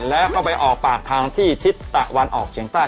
แล้วก็ไปออกปากทางที่ทิศตะวันออกเฉียงใต้